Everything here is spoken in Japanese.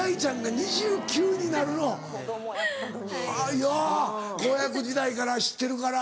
いや子役時代から知ってるから。